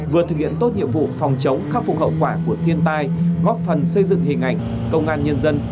vừa thực hiện tốt nhiệm vụ phòng chống khắc phục hậu quả của thiên tai góp phần xây dựng hình ảnh công an nhân dân